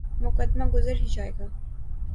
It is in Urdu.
مقدمہ گزر ہی جائے گا۔